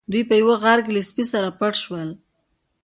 دوی په یوه غار کې له سپي سره پټ شول.